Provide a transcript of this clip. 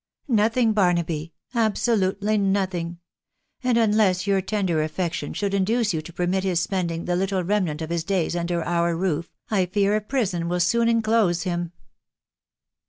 "" Nothing, Barnaby !..• absolutely nothing : and unless your tender affection should induce you to permit his spending the little remnant of his days under our roof, I fear a prison will soon inclose him."